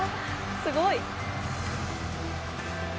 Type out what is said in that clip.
すごい！